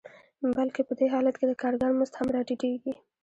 بلکې په دې حالت کې د کارګر مزد هم راټیټېږي